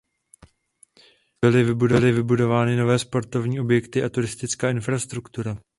Byly vybudovány nové sportovní objekty a turistická infrastruktura.